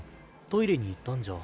トイレに行ったんじゃ。